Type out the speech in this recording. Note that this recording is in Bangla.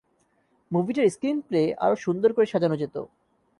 মুভিটার স্ক্রিনপ্লে আরো সুন্দর করে সাজানো যেত।